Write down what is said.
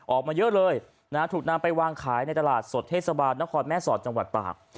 ออกมาเยอะเลยนะฮะถูกนำไปวางขายในตลาดสดเทศบาลนครแม่สอดจังหวัดตาก